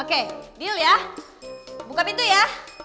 oke deal ya buka pintu ya